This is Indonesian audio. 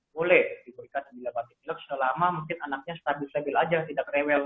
boleh diberikan vaksin batuk tilak selama mungkin anaknya stabil stabil aja tidak rewel ya